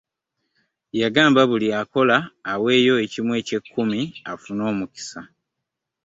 Yagamba buli akola aweeyo ekimu eky'ekkumi afune omukisa.